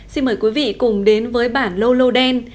xin mời quý vị cùng đến với bản lô lô đen